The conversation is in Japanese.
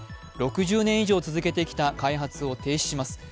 ６０年以上続けてきた開発を停止します。